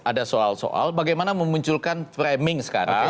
ada soal soal bagaimana memunculkan framing sekarang